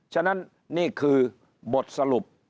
ฉะนั้นนี่คือบทสรุป